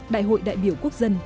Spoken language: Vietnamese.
đại hội đại biểu quốc dân